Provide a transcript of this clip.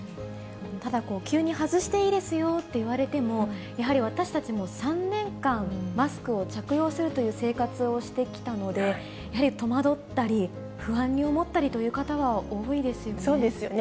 ただ、急に外していいですよって言われても、やはり私たちも３年間、マスクを着用するという生活をしてきたので、やはり戸惑ったり、不安に思ったりという方は多いですよね。